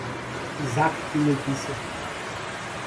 Isaac e Letícia